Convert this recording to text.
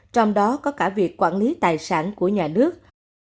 trong đó có cả việc quản lý tài sản của nhà nước